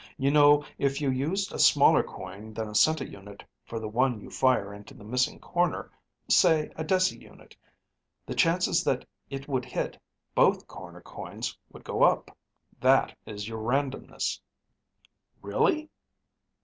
"You know, if you used a smaller coin than a centiunit for the one you fire into the missing corner, say a deciunit, the chances that it would hit both corner coins would go up, that is your randomness." "Really?"